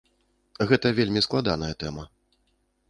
Гэта вельмі складаная тэма.